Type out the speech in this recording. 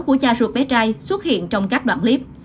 của cha ruột bé trai xuất hiện trong các đoạn clip